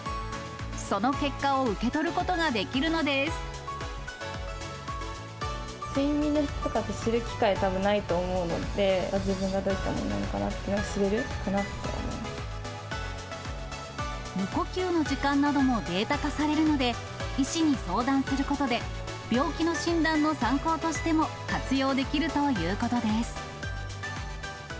その結果を受け取ることができる睡眠の質とかって、知る機会たぶんないと思うので、されるので、医師に相談することで、病気の診断の参考としても活用できるということです。